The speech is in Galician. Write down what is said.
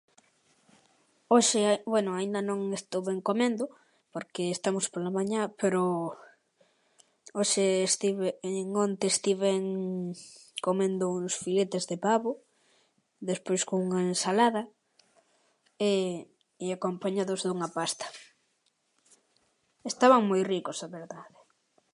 Hoxe, bueno aínda non estuven comendo porque estamos pola mañá, pero hoxe estiven, onte estiven comendo uns filetes de pavo, despois cunha ensalada e acompañados dunha pasta. Estaban moi ricos, a verdá.